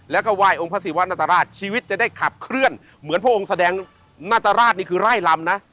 แล้วก็ไหว้องค์พระศิวะนาตราชชีวิตจะได้ขับเคลื่อนเหมือนพระองค์แสดงนาตราชนี่คือไร่ลำนะ